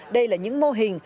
đây là những mô hình